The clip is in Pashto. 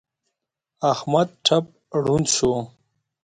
احمد ټپ ړوند شو.